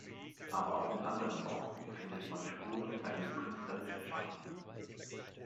Aber auch in anderen Orten findet man Spuren seines künstlerischen Schaffens.